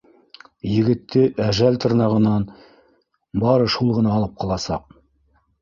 Егетте әжәл тырнағынан бары шул ғына алып ҡаласаҡ.